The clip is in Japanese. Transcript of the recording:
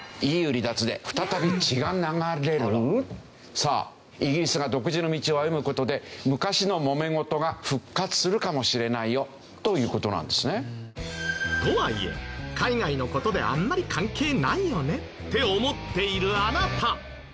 さあイギリスが独自の道を歩む事で昔のもめ事が復活するかもしれないよという事なんですね。とはいえ海外の事であんまり関係ないよねって思っているあなた。